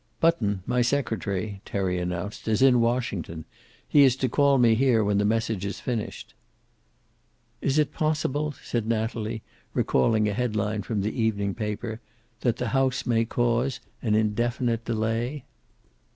"Button, my secretary," Terry announced, "is in Washington. He is to call me here when the message is finished." "Isn't it possible," said Natalie, recalling a headline from the evening paper, "that the House may cause an indefinite delay?"